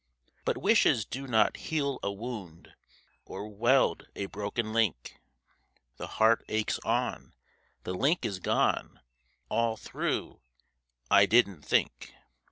But wishes do not heal a wound Or weld a broken link; The heart aches on, the link is gone, All through 'I didn't think.'